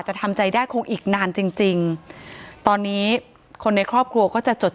ทำใจได้คงอีกนานจริงจริงตอนนี้คนในครอบครัวก็จะจด